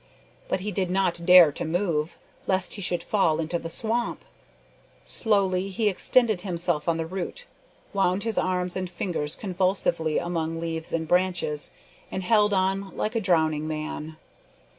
But he did not dare to move, lest he should fall into the swamp. Slowly he extended himself on the root; wound his arms and fingers convulsively among leaves and branches, and held on like a drowning man.